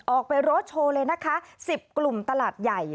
ออกไปรถโชว์เลยนะคะ๑๐กลุ่มตลาดใหญ่